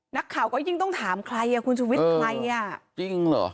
นักข่าวก็ยิ่งต้องถามใครอ่ะคุณชุวิตใครอ่ะจริงเหรอ